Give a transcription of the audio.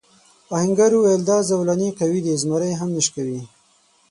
آهنګر وویل دا زولنې قوي دي زمری هم نه شکوي.